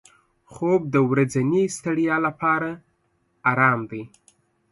خوب د ورځني ستړیا لپاره آرام دی